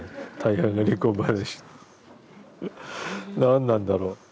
何なんだろう。